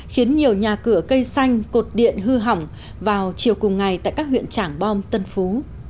khiến nhiều nhà cửa cây xanh cột điện hư hỏng vào chiều cùng ngày tại các huyện trảng bom tân phú